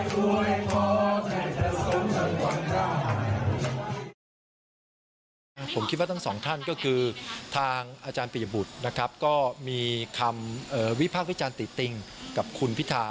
ผมคิดว่าทั้งสองท่านก็คือทางอาจารย์ปียบุตรนะครับก็มีคำวิพากษ์วิจารณ์ติดติงกับคุณพิธา